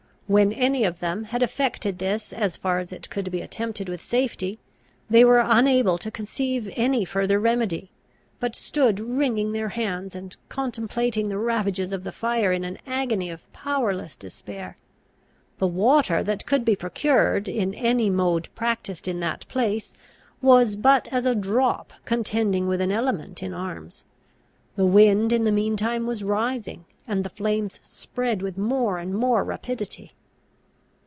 When any of them had effected this as far as it could be attempted with safety, they were unable to conceive any further remedy, but stood wringing their hands, and contemplating the ravages of the fire in an agony of powerless despair. The water that could be procured, in any mode practised in that place, was but as a drop contending with an element in arms. The wind in the mean time was rising, and the flames spread with more and more rapidity.